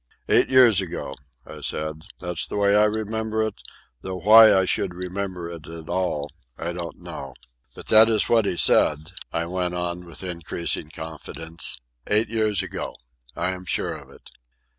"Eight years ago," I said. "That's the way I remember it, though why I should remember it at all I don't know. But that is what he said," I went on with increasing confidence. "Eight years ago. I am sure of it."